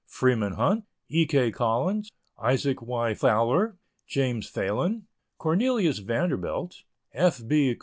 Freeman Hunt, E. K. Collins, Isaac Y. Fowler, James Phalen, Cornelius Vanderbilt, F. B.